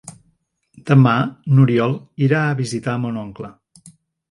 Demà n'Oriol irà a visitar mon oncle.